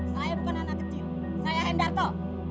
saya bukan anak kecil saya hendarto